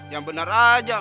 yang bener aja